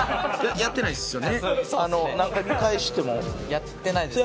やってないですね